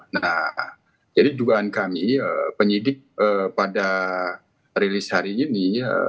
nah jadi dugaan kami penyidik pada rilis hari ini